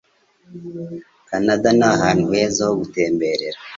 Kanada ni ahantu heza ho gutemberera.